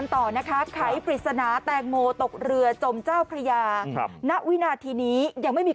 ต่อนะคะไขปริศนาแตงโมตกเรือจมเจ้าพระยาครับณวินาทีนี้ยังไม่มี